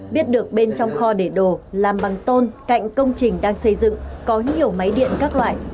biết được bên trong kho để đồ làm bằng tôn cạnh công trình đang xây dựng có nhiều máy điện các loại